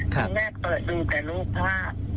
คุณแม่เปิดดูแต่รูปภาพ